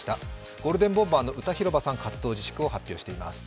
ゴールデンボンバーの歌広場さん、活動自粛を発表しています。